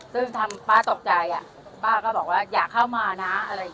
ซึ่งทำป้าตกใจป้าก็บอกว่าอย่าเข้ามานะ